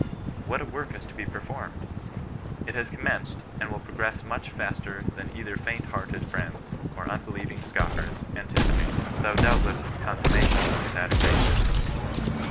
What a work is to be performed I It \i»» <:«asEMS5iRsA.> 168 CHBISTIAN NON BESISTANGE. and will progress much faster than either faint hearted friends or unbelieving scoffers anticipate ; though doubt less its consummation is at a great distance.